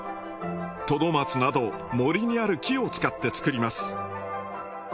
トドマツなど森にある木を使って作ります。